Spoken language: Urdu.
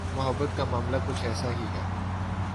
محبت کا معاملہ کچھ ایسا ہی ہے۔